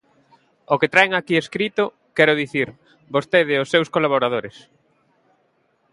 O que traen aquí escrito, quero dicir, vostede e os seus colaboradores.